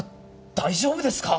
大丈夫ですか！？